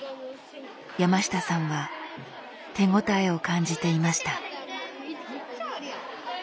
山下さんは手応えを感じていました。